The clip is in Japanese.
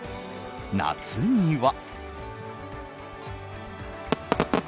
夏には。